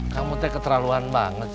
kamu tek keterlaluan banget